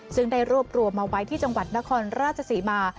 ซึ่งได้รวบรวมมาไว้ที่จังหวัดนครราชศรีมา